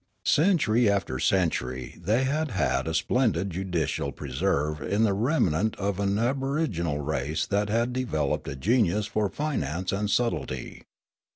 Century after century they had had a splendid judicial preserve in the remnant of an aboriginal race that had developed a genius for finance and subtlety.